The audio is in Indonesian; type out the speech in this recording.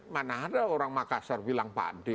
mana ada orang makassar bilang pak andi